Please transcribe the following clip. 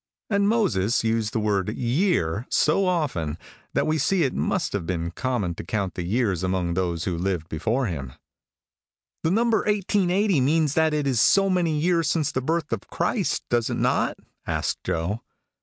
And Moses uses the word year so often that we see that it must have been common to count the years among those who lived before him." "The number 1880 means that it is so many years since the birth of Christ, does it not?" asked Joe.